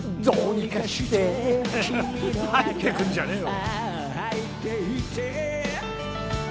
入ってくんじゃねえよ。